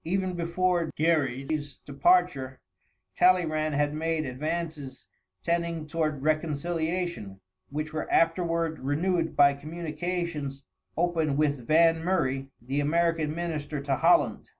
Even before Gerry's departure, Talleyrand had made advances tending toward reconciliation, which were afterward renewed by communications opened with Van Murray, the American minister to Holland.